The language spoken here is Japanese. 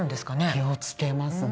気をつけますね。